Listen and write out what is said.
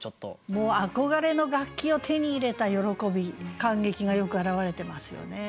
もう憧れの楽器を手に入れた喜び感激がよく表れてますよね。